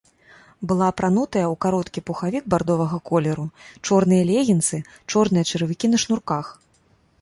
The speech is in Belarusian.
Была апранутая ў кароткі пухавік бардовага колеру, чорныя легінсы, чорныя чаравікі на шнурках.